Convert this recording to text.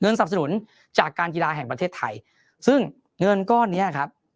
สับสนุนจากการกีฬาแห่งประเทศไทยซึ่งเงินก้อนเนี้ยครับ